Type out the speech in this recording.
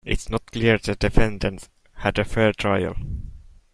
It's not clear the defendant had a fair trial.